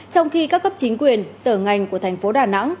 trong khi các cấp chính quyền sở ngành của tp đà nẵng